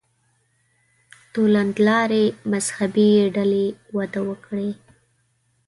توندلارې مذهبي ډلې وده وکړي.